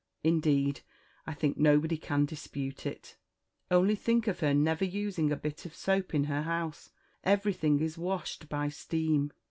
Indeed, I think nobody can dispute it only think of her never using a bit of soap in her house everything is washed by steam.